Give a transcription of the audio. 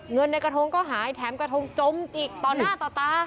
เงินในกระทงก็หายแถมกระทงจมจิกต่อหน้าต่อตา